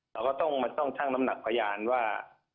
เราก็ต้องชั่งน้ำหนักพยานว่า